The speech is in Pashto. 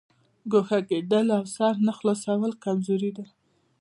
ګوښه کېدل او سر نه خلاصول کمزوري ده.